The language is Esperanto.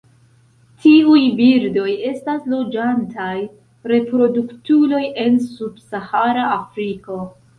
Tiuj birdoj estas loĝantaj reproduktuloj en subsahara Afriko.